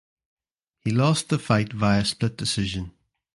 He lost the fight via split decision.